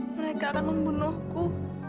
mereka akan membunuhku